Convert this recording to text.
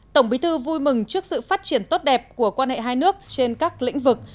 tổng bí thư vui mừng trước sự phát triển tốt đẹp của quan hệ hai nước trên các lĩnh vực